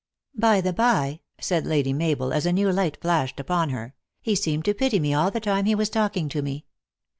" By the bye," said Lady Mabel, as a new light flashed upon her, " he seemed to pity me all the time he was talking to me.